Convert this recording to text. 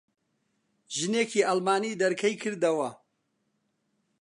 ژنێکی ئەڵمانی دەرکەی کردەوە.